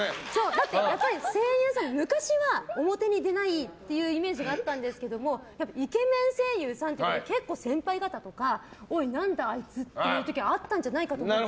だってやっぱり声優さん昔は表に出ないというイメージがあったんですけどイケメン声優さんってことで結構、先輩方とかおい何だあいつって時期あったんじゃないかと思って。